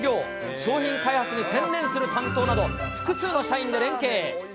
商品開発に専念する担当など、複数の社員で連携。